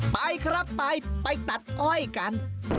ไปครับไปไปตัดอ้อยกัน